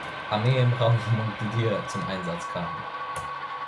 Armee im Raum Montdidier zum Einsatz kam.